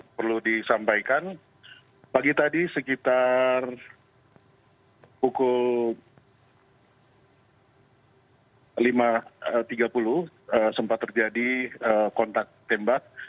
perlu disampaikan pagi tadi sekitar pukul lima tiga puluh sempat terjadi kontak tembak